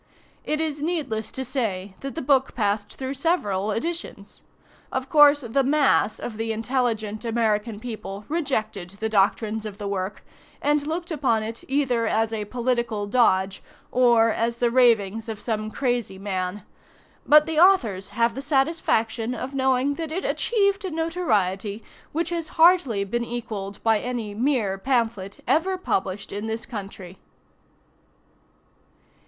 It is needless to say that the book passed through several editions. Of course, the mass of the intelligent American people rejected the doctrines of the work, and looked upon it either as a political dodge, or as the ravings of some crazy man; but the authors have the satisfaction of knowing that it achieved a notoriety which has hardly been equalled by any mere pamphlet ever published in this country.